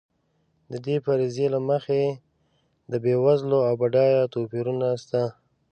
د دې فرضیې له مخې د بېوزلو او بډایو توپیرونه شته.